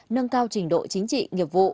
nâng cao trình độ chính trị nghiệp vụ